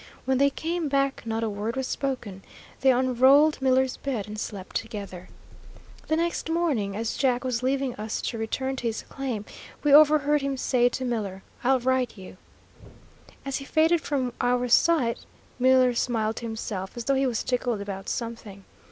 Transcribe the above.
When they came back not a word was spoken. They unrolled Miller's bed and slept together. The next morning as Jack was leaving us to return to his claim, we overheard him say to Miller, "I'll write you." As he faded from our sight, Miller smiled to himself, as though he was tickled about something.